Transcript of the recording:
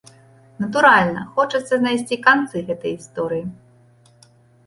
Натуральна, хочацца знайсці канцы гэтай гісторыі.